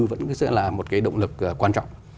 vẫn sẽ là một cái động lực quan trọng